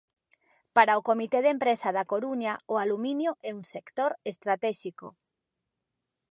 Para o comité de empresa da Coruña, o aluminio é un sector estratéxico.